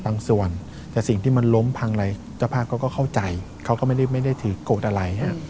บางส่วนแต่สิ่งที่มันล้มพังอะไรเจ้าภาพเขาก็เข้าใจเขาก็ไม่ได้ถือโกรธอะไร